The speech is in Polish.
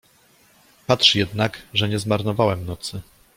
Patrz jednak, że nie zmarnowałem nocy.